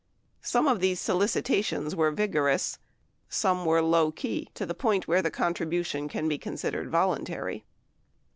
Some of these solicitations were vigorous, some were low key, to the point where the contribution can be considered voluntary.